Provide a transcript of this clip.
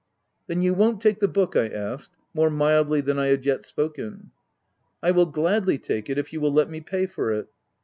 u Then you won't take the book }" I asked, more mildly than I had yet spoken. tc I will gladly take it, if you will let me pay for it."